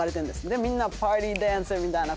でみんなパーティーダンスみたいな。